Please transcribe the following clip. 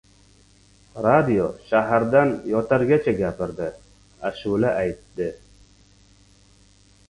Radio sahardan yotargacha gapirdi, ashula aytdi.